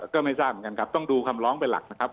ก็ไม่ทราบเหมือนกันครับต้องดูคำร้องเป็นหลักนะครับ